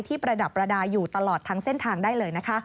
ประดับประดาษอยู่ตลอดทั้งเส้นทางได้เลยนะคะ